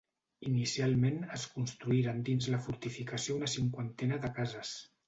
Inicialment es construïren dins la fortificació una cinquantena de cases.